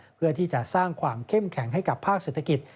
เพื่อที่จะสร้างความเข้มแข็งให้กับภาคเศรษฐกิจ